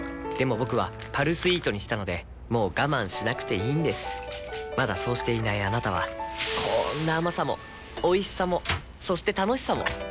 僕は「パルスイート」にしたのでもう我慢しなくていいんですまだそうしていないあなたはこんな甘さもおいしさもそして楽しさもあちっ。